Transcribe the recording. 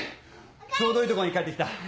ちょうどいいとこに帰って来た。